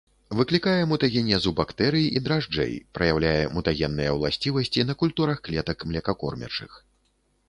Выклікае мутагенез ў бактэрый і дражджэй, праяўляе мутагенныя ўласцівасці на культурах клетак млекакормячых.